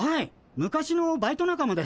昔のバイト仲間です。